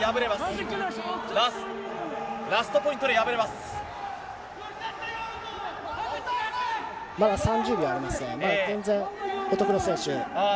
まだ３０秒あります。